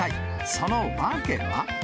その訳は。